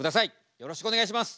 よろしくお願いします。